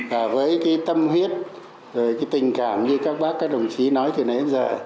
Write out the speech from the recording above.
và với cái tâm huyết cái tình cảm như các bác các đồng chí nói từ nãy đến giờ